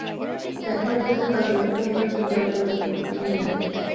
দেখা হলে তাকে তাজুল একটি ভবনের তিনতলার পরিত্যক্ত কক্ষে নিয়ে যান।